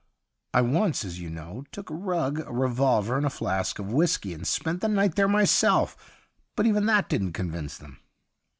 I once, as you know, took a rug, a revolver and a flask of whisky and spent the night there myself But even that didn't convince them.'